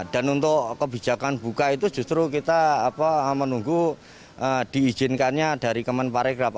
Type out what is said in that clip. dan untuk kebijakan buka itu justru kita menunggu diizinkannya dari kemenparecraft